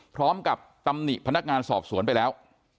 พร้อมกับตำนิพนักงานสอบสวนไปแล้ว